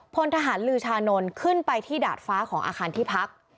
พลทหารลือชานนท์ขึ้นไปที่ดาดฟ้าของอาคารที่พัก